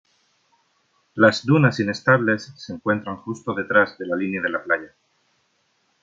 Las dunas inestables se encuentran justo detrás de la línea de la playa.